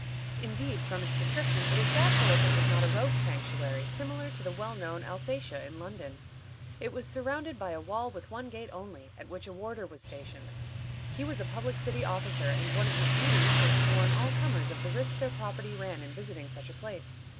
Indeed, from its description, it is doubtful if it was not a rogue's sanctuary, similar to the well known Alsatia in London. It was surrounded by a wall with one gate only, at which a warder was stationed. He was a public city officer, and one of his duties was to warn all comers of the risk their property ran in visiting such a place.